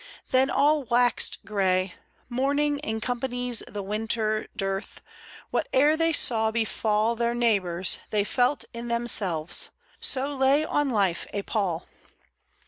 Then all waxed gray, Mourning in companies the winter dearth : Whatever they saw befall Their neighbours, they Felt in themselves ; so lay On life a pall.